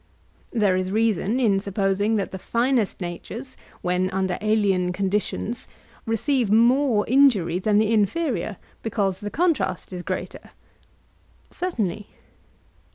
There is reason in supposing that the finest natures, when under alien conditions, receive more injury than the inferior, because the contrast is greater. Certainly.